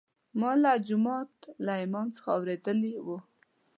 ما له جومات له ملا څخه اورېدلي وو.